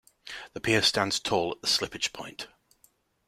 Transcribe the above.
The pier stands tall at the slippage point.